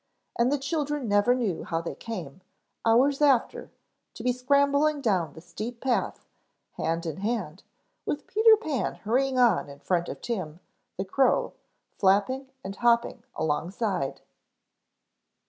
And the children never knew how they came, hours after, to be scrambling down the steep path, hand in hand, with Peter Pan hurrying on in front and Tim, the crow, flapping and hopping alongside.